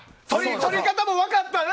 取り方も分かったな？